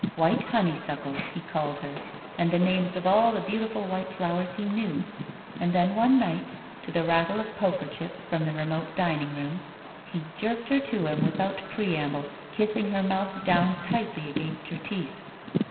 "White honeysuckle," he called her, and the names of all the beautiftil white flowers he knew. And then one night, to the rattle of poker chips from the remote dining room, he jerked her to him with out preamble, kissing her mouth down tightly against her teeth.